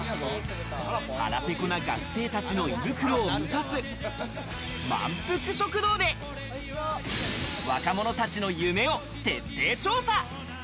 腹ペコな学生たちの胃袋を満たす、まんぷく食堂で若者たちの夢を徹底調査。